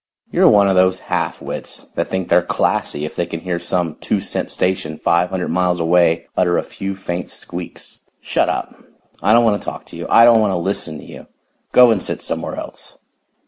You're one of these half wits that think they're classy if they can hear some two cent station five hundred miles away utter a few faint squeaks. Shut up! I don't want to talk to you. I don't want to listen to you. Go and sit somewhere else."